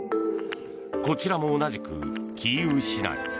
こちらも、同じくキーウ市内。